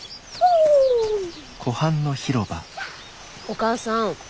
お義母さん